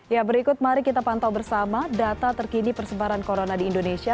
ya berikut mari kita pantau bersama data terkini persebaran corona di indonesia